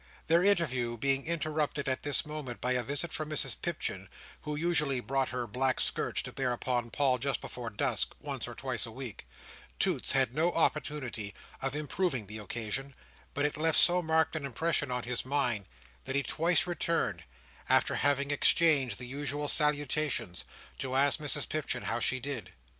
Their interview being interrupted at this moment by a visit from Mrs Pipchin, who usually brought her black skirts to bear upon Paul just before dusk, once or twice a week, Toots had no opportunity of improving the occasion: but it left so marked an impression on his mind that he twice returned, after having exchanged the usual salutations, to ask Mrs Pipchin how she did.